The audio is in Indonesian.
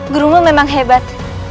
gurumu memang hebat